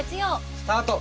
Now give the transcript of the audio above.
スタート！